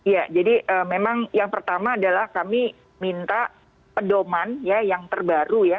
ya jadi memang yang pertama adalah kami minta pedoman ya yang terbaru ya